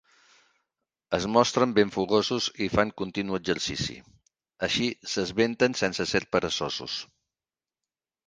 Es mostren ben fogosos i fan continu exercici; així s'esventen sense ser peresosos.